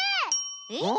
えっ？